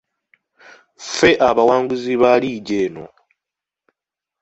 Ffe abawanguzi ba liigi eno.